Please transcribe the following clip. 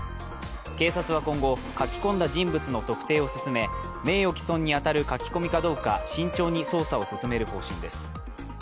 警察は今後、書き込んだ人物の特定を進め、名誉毀損に当たる書き込みかどうか慎重に捜査を進める方針です。